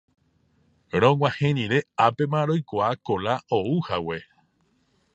Rog̃uahẽ rire ápema roikuaa Kola ouhague.